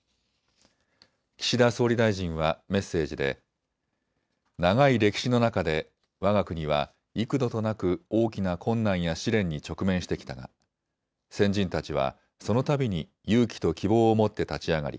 岸田総理大臣はメッセージで長い歴史の中でわが国は幾度となく大きな困難や試練に直面してきたが先人たちはそのたびに勇気と希望を持って立ち上がり